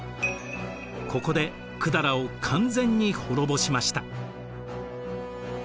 ここで百済を完全に滅ぼしました。